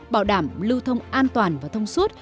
bảo đảm lưu thông an toàn và thông suốt